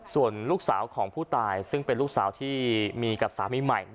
ส่วนลูกสาวของผู้ตายซึ่งเป็นลูกสาวที่มีกับสามีใหม่